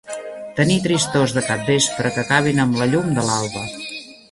Tenir tristors de capvespre que acabin am la llum de l'alba